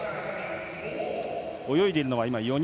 泳いでいるのは４人。